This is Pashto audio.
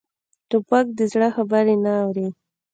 توپک د زړه خبرې نه اوري.